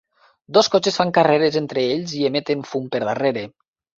Dos cotxes fan carreres entre ells i emeten fum per darrere.